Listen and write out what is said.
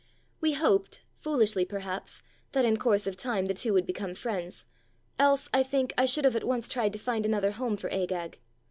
We hoped, foolishly perhaps, that in course of time the two would become friends ; else, I think, I should have at once tried to find another home for Agag.